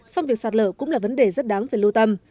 song việc sạt lở cũng là vấn đề rất đáng về lưu tâm